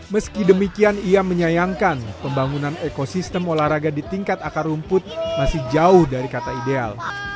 meski demikian ia menyayangkan pembangunan ekosistem olahraga di tingkat akar rumput masih jauh dari kata ideal